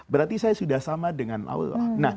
berarti saya sudah sama dengan allah